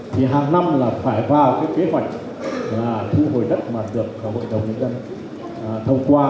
thì hàng năm là phải vào cái kế hoạch là thu hồi đất mà được hội đồng nhân dân thông qua